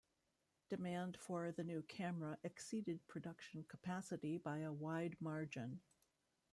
Demand for the new camera exceeded production capacity by a wide margin.